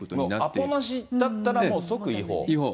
もうアポなしだったらもう即違法？